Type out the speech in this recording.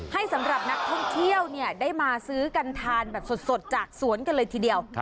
สำหรับนักท่องเที่ยวได้มาซื้อกันทานแบบสดจากสวนกันเลยทีเดียว